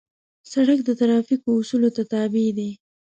سړک د ترافیکو اصولو ته تابع دی.